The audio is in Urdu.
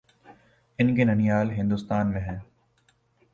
ان کے ننھیال ہندوستان میں ہیں۔